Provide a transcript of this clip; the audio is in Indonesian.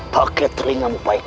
paket ringan baik baik